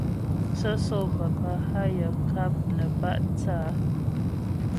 Sə́sô papá hâ yaə ŋkáp nə bá' thə̂ á.